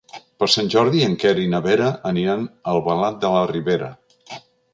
Per Sant Jordi en Quer i na Vera aniran a Albalat de la Ribera.